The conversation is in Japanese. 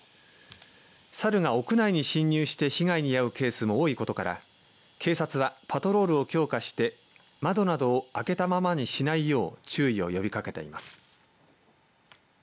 サルが屋内に侵入して被害に遭うケースも多いことから警察は、パトロールを強化して窓などを開けたままにしないよう注意を呼びかけています。